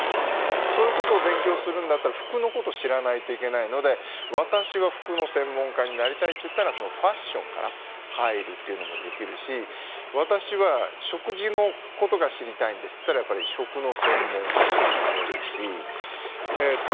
そういうことを勉強するんだったら服のこと知らないといけないので私は服の専門家になりたいっていったらファッションから入るっていうのもできるし私は食事のことが知りたいんですっていったら食の専門家にもなれるしえっと